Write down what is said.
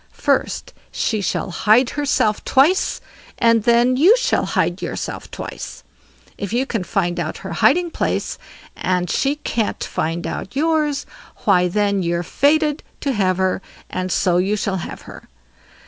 First, she shall hide herself twice, and then you shall hide yourself twice. If you can find out her hiding place, and she can't find out yours, why then you're fated to have her, and so you shall have her."